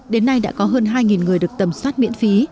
đến nay đã có hơn hai người được tầm soát miễn phí